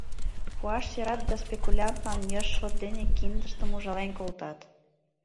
Пуаш сӧрат да спекулянтлан йышт шот дене киндыштым ужален колтат.